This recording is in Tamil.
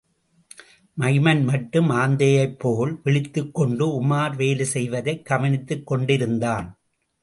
மைமன் மட்டும் ஆந்தையைப் போல் விழித்துக் கொண்டு உமார் வேலை செய்வதைக் கவனித்துக் கொண்டேயிருந்தான்.